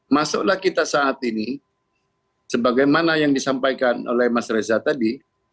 masuklah kita saat ini sebagaimana yang disampaikan oleh mas reza tadi